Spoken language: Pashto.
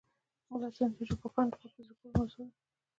متلونه د ژبپوهانو لپاره په زړه پورې موضوع ده